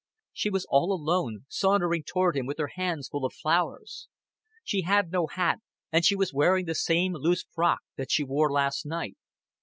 She was all alone, sauntering toward him with her hands full of flowers. She had no hat, and she was wearing the same loose frock that she wore last night.